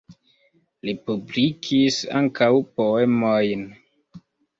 Li publikis ankaŭ poemojn.